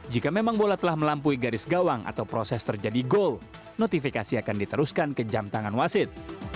jika memang bola telah melampaui garis gawang atau proses terjadi gol notifikasi akan diteruskan ke jam tangan wasit